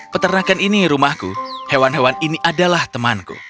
peternakan ini rumahku hewan hewan ini adalah temanku